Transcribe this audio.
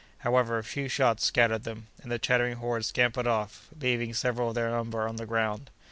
However, a few shots scattered them, and the chattering horde scampered off, leaving several of their number on the ground.